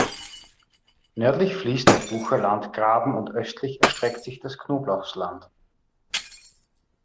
Nördlich fließt der Bucher Landgraben und östlich erstreckt sich das Knoblauchsland.